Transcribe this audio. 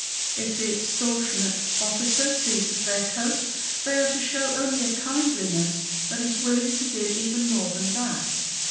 If the extortionate officer seizes their coat, they are to show only a kindliness that is willing to give even more than that.